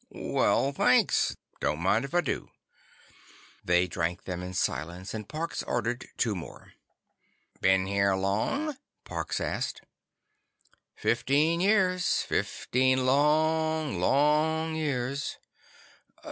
"Well—thanks. Don't mind if I do." They drank them in silence, and Parks ordered two more. "Been here long?" Parks asked. "Fifteen years. Fifteen long, long years."